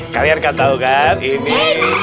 kalian gak tau kan ini